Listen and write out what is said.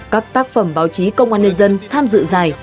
các tác phẩm báo chí công an nhân dân tham dự giải